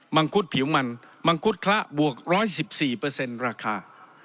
ังคุดผิวมันมังคุดคละบวก๑๑๔ราคา